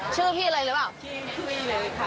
ชื่อพี่อะไรเลยเปล่าชื่อพี่เลยค่ะ